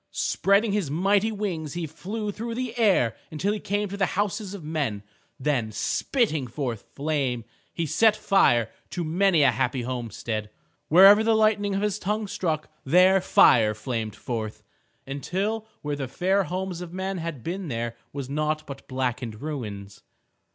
Spreading his mighty wings, he flew through the air until he came to the houses of men. Then spitting forth flame, he set fire to many a happy homestead. Wherever the lightning of his tongue struck, there fire flamed forth, until where the fair homes of men had been there was naught but blackened ruins.